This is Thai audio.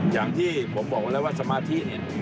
อย่างที่ผมบอกก่อนแล้วว่าสมาธิ